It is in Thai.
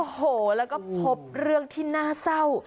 โอ้โหแล้วก็พบเรื่องที่น่าเศร้า